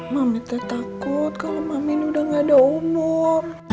mami tak takut kalau mami ini udah gak ada umur